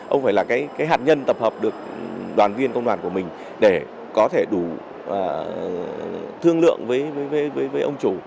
ông phải là hạt nhân tập hợp được đoàn viên công đoàn của mình để có thể đủ thương lượng với ông chủ